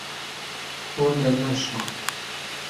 تۆ لە لەشما